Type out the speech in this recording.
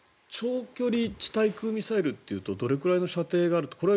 長距離地対空ミサイルというとどれくらいの射程があると。